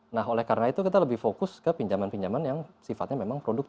nah oleh karena itu kita lebih fokus ke pinjaman pinjaman yang sifatnya memang produktif